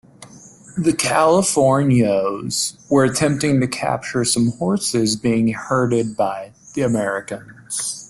The Californios were attempting to capture some horses being herded by the Americans.